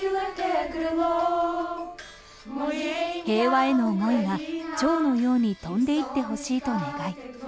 平和への思いがチョウのように飛んでいってほしいと願い